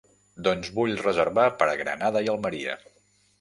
Doncs vull reservar per Granada i Almeria.